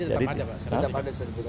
jadi tetap ada pak